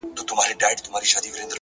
د نیت صفا عمل ته وزن ورکوي.!